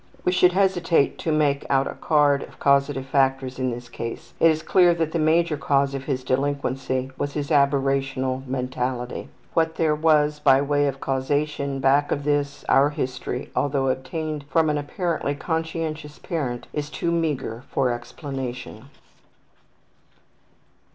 We should hesitate to make out a card of causative factors in this case. It is clear that the major cause in his delinquency was his aberrational mentality. What there was by way of causation back of this, our history, although obtained from an apparently conscientious parent, is too meagre for explanation.